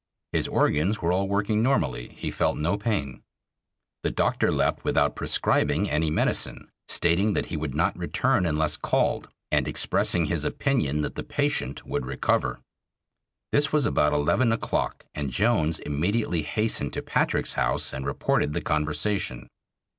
His organs were all working normally; he felt no pain. The doctor left without prescribing any medicine, stating that he would not return unless called, and expressing his opinion that the patient would recover. This was about eleven o'clock, and Jones immediately hastened to Patrick's house and reported the conversation.